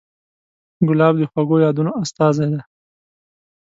ګلاب د خوږو یادونو استازی دی.